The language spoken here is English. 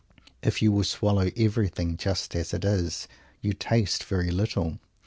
If you swallow everything just as it is, you taste very little.